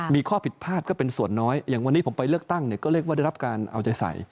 มีข้อผิดพลาดก็เป็นส่วนน้อยอย่างวันนี้ผมไปเลือกตั้งเนี่ยก็เรียกว่าได้รับการเอาใจใส่